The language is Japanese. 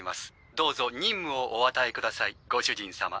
どうぞ任務をおあたえくださいご主人様。